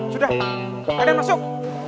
sudah keadaan masuk